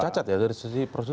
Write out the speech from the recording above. cacat ya dari sisi prosedur